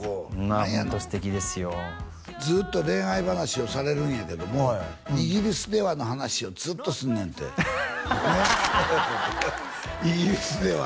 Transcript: ホント素敵ですよずっと恋愛話をされるんやけども「イギリスでは」の話をずっとすんねんて「イギリスでは」